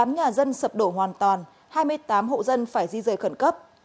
tám nhà dân sập đổ hoàn toàn hai mươi tám hộ dân phải di rời khẩn cấp